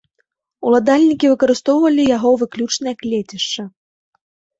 Уладальнікі выкарыстоўвалі яго выключна як лецішча.